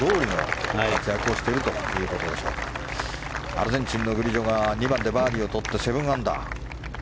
アルゼンチンのグリジョが２番でバーディーをとって７アンダー。